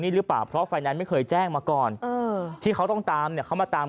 นี่หรือเปล่าเพราะไฟแนนซ์ไม่เคยแจ้งมาก่อนที่เขาต้องตามเนี่ยเขามาตาม